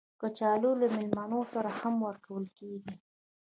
کچالو له میلمانه سره هم ورکول کېږي